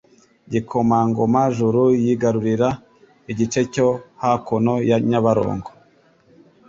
Igikomangoma Juru yigarurira igice cyo hakuno ya Nyabarongo